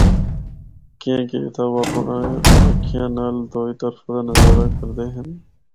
کیانکہ اِتھا او اپنڑیا اکھیاں نال دوئی طرفا دا نظارہ کردے ہن۔